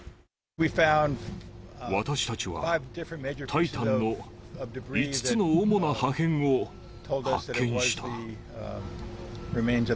私たちはタイタンの５つの主な破片を発見した。